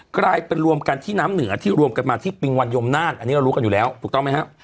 กลายเป็นรวมกันที่น้ำเหนือที่รวมกันมาที่ปิงวันยมนานอันนี้เรารู้กันอยู่แล้วถูกต้องไหมครับ